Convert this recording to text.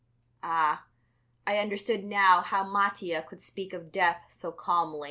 Ah, I understood now how Mattia could speak of death so calmly.